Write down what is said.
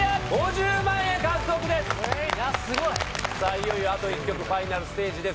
いよいよあと１曲ファイナルステージです。